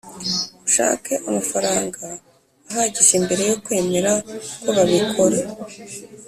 Ushake amafaranga ahagije mbere yo kwemera ko babikora